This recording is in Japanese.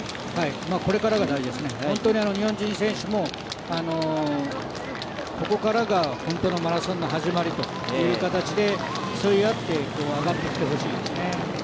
これからが大事ですね、日本選手もここからが本当のマラソンンの始まりという形で競い合って上がってきてほしいですね。